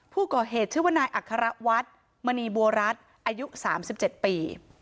ผู้ก่อเหตุชื่อว่านายอัครวัฒน์มณีบัวรัฐอายุ๓๗ปี